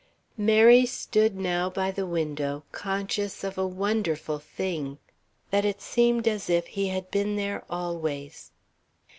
Mary stood now by the window conscious of a wonderful thing: That it seemed as if he had been there always.